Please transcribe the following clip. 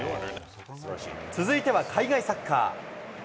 続いては海外サッカー。